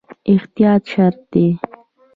احتیاط شرط دی